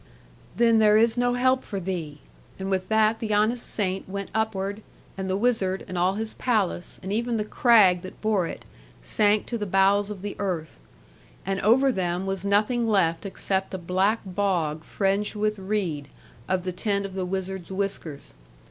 'Then there is no help for thee.' And with that the honest saint went upward, and the wizard, and all his palace, and even the crag that bore it, sank to the bowels of the earth; and over them was nothing left except a black bog fringed with reed, of the tint of the wizard's whiskers.